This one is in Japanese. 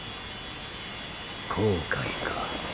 後悔か。